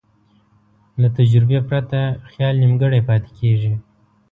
له تجربې پرته خیال نیمګړی پاتې کېږي.